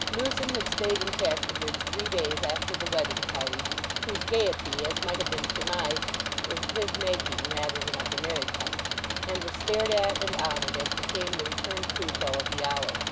Newson had stayed in Casterbridge three days after the wedding party (whose gaiety, as might have been surmised, was of his making rather than of the married couple's), and was stared at and honoured as became the returned Crusoe of the hour.